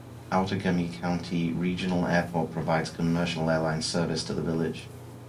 Outagamie County Regional Airport provides commercial airline service to the village.